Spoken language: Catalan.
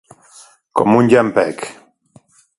Com un llampec.